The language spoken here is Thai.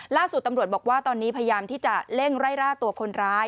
ล่าสุดตำรวจบอกว่าตอนนี้พยายามที่จะเร่งไล่ล่าตัวคนร้าย